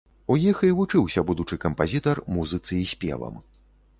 У іх і вучыўся будучы кампазітар музыцы і спевам.